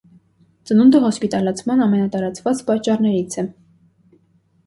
Ծնունդը հոսպիտալացման ամենատարածված պատճառներից է։